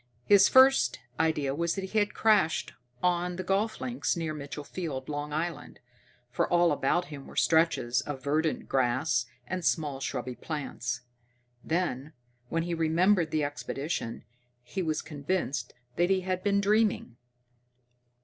His first idea was that he had crashed on the golf links near Mitchell Field, Long Island, for all about him were stretches of verdant grass and small shrubby plants. Then, when he remembered the expedition, he was convinced that he had been dreaming.